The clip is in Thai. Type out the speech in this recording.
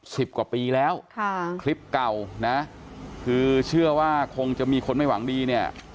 สิบกว่าปีแล้วค่ะคลิปเก่านะคือเชื่อว่าคงจะมีคนไม่หวังดีเนี่ย